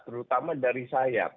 terutama dari sayap